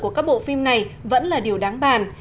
của các bộ phim này vẫn là điều đáng bàn